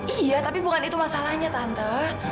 iya tapi bukan itu masalahnya tante